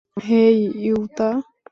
হেই, Yuta!